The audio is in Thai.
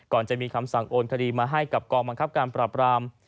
จะมีคำสั่งโอนคดีมาให้กับกองบังคับการปราบราม